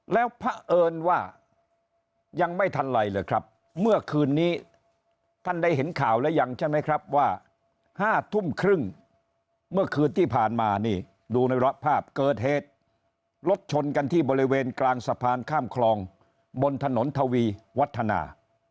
แล้วพระเอิญว่ายังไม่ทันไรเลยครับเมื่อคืนนี้ท่านได้เห็นข่าวแล้วยังใช่ไหมครับว่า๕ทุ่มครึ่งเมื่อคืนที่ผ่านมานี่ดูในภาพเกิดเหตุรถชนกันที่บริเวณกลางสะพานข้ามคลองบนถนนทวีวัฒนา